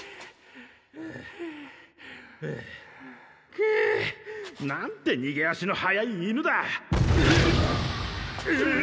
くうっなんてにげ足の速い犬だ！えっ！？